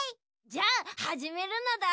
じゃあはじめるのだ。